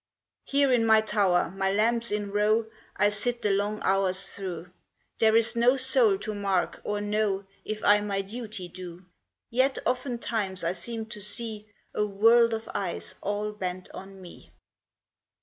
" Here in my tower, my lamps in row, I sit the long hours through ; There is no soul to mark or know If I my duty do ; Yet oftentimes I seem to see A world of eyes all bent on me